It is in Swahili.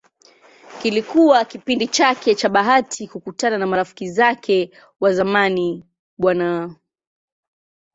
Kilikuwa kipindi chake cha bahati kukutana na marafiki zake wa zamani Bw.